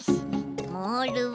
モールは？